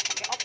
yuk naik nih